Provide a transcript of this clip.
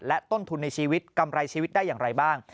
และต้นทุนในชีวิตกำไรชีวิตได้อย่างไรบ้าง